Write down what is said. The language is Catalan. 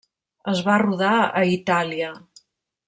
Es va rodar a Itàlia.